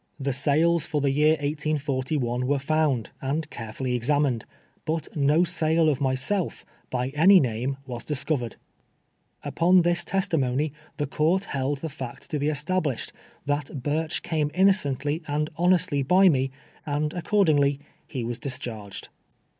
The sales for the year 1841 wei'O found, and carefully examined, but no sale of myself, by any name, was discovered I Upon this testimony the court held the fact to be establisheil, that Ihirch came innocently and honestly by me, and accordingly he was discharged.